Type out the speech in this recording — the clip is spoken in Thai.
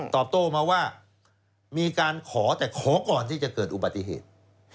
ตอบโต้มาว่ามีการขอแต่ขอก่อนที่จะเกิดอุบัติเหตุ